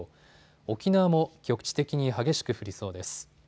沖縄も局地的に激しく降りそうです。